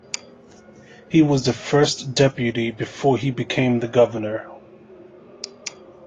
He was the first deputy before he became the governor.